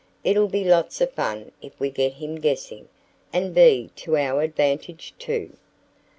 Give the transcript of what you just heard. It'll be lots of fun if we get him guessing, and be to our advantage, too."